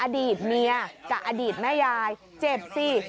อดีตเมียกับอดีตแม่ยายเจ็บสิ